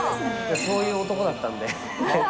そういう男だったんで。